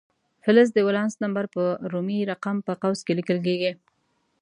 فلز د ولانس نمبر په رومي رقم په قوس کې لیکل کیږي.